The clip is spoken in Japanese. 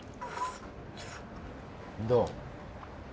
どう？